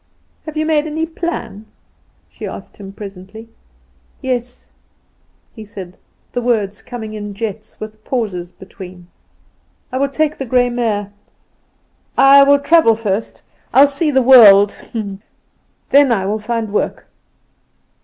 "Have you made any plans?" she asked him presently. "Yes," he said, the words coming in jets, with pauses between; "I will take the grey mare I will travel first I will see the world then I will find work."